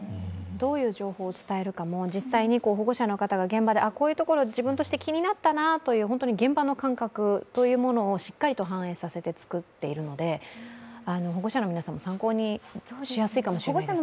どういう情報を伝えるかも、実際に保護者の方が現場で現場でこういうところが気になったなという本当に現場の感覚というものをしっかりと反映させて作っているので保護者の皆さんも参考にしやすいかもしれないですね。